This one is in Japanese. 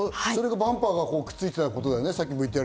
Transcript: バンパーがくっついてたところだよね。